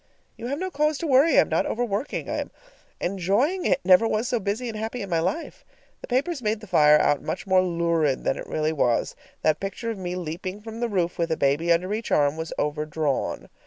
You have no cause to worry. I am not overworking. I am enjoying it; never was so busy and happy in my life. The papers made the fire out much more lurid than it really was. That picture of me leaping from the roof with a baby under each arm was overdrawn.